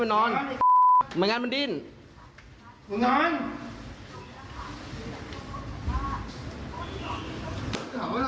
มันหมดอย่างขนาดนั้นเลยเหรอ